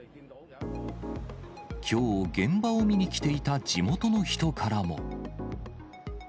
きょう、現場を見に来ていた地元の人からも。